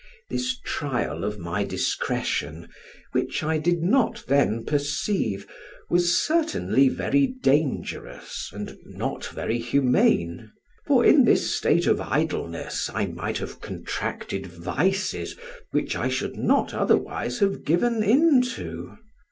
This trial of my discretion, which I did not then perceive, was certainly very dangerous, and not very humane; for in this state of idleness I might have contracted vices which I should not otherwise have given into.